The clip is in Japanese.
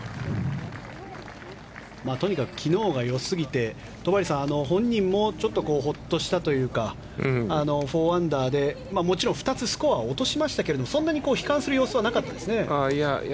とにかく昨日が良すぎて戸張さん、本人もちょっとほっとしたというか４アンダーで、もちろん２つスコアは落としましたけどそんなに悲観する様子はなかったですね。